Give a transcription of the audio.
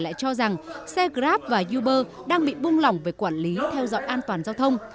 lại cho rằng xe grab và uber đang bị buông lỏng về quản lý theo dõi an toàn giao thông